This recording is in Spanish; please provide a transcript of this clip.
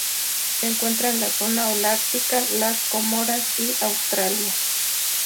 Se encuentra en la zona holártica, las Comoras y Australia.